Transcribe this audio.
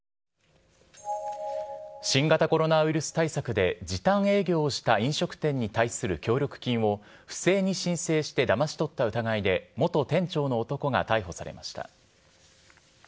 新型コロナウイルス対策で、時短営業した飲食店に対する協力金を不正に申請してだまし取った疑いで、元店長の男が逮捕されました。